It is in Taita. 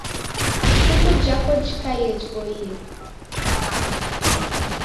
Ituku jako jikaie jiboiye